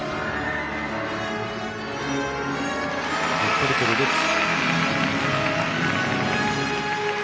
トリプルルッツ。